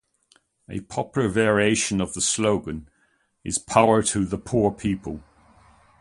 A popular variation of the slogan is Power to the Poor People!